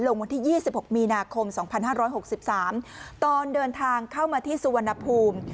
วันที่๒๖มีนาคม๒๕๖๓ตอนเดินทางเข้ามาที่สุวรรณภูมิ